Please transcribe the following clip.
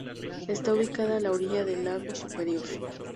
Está ubicada a la orilla del lago Superior.